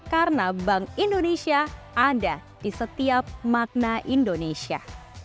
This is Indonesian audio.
karena bank indonesia ada di setiap makna indonesia